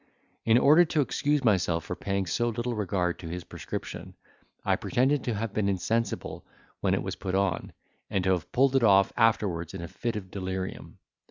In order to excuse myself for paying so little regard to his prescription, I pretended to have been insensible when it was put on, and to have pulled it off afterwards in a fit of delirium.